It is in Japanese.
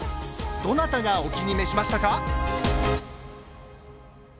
どなたがお気に召しましたか？